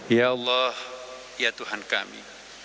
ya allah ya tuhan kami